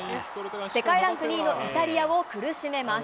世界ランク２位のイタリアを苦しめます。